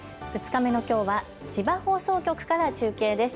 ２日目のきょうは千葉放送局から中継です。